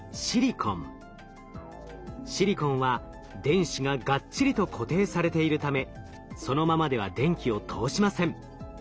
シリコンは電子ががっちりと固定されているためそのままでは電気を通しません。